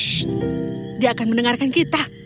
shh dia akan mendengarkan kita